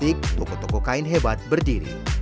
dari kaya stick toko toko kain hebat berdiri